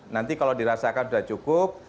nanti kalau dirasakan sudah cukup